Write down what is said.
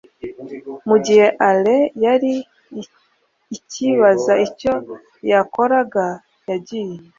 mu gihe Henry yari icyibaza icyo yakora yagiye